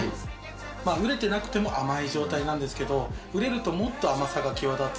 熟れていなくても甘い状態なんですけど、熟れるともっと甘さが際立つ。